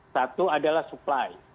satu adalah supply